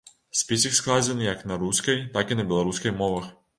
Спіс іх складзены як на рускай, так і на беларускай мовах.